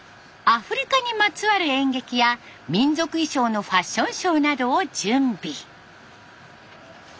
アフリカにまつわる演劇や民族衣装のファッションショーなどを準備。